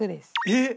えっ！